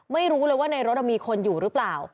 ไม่รู้เลยว่าในรถมีคนอยู่หรือเปล่า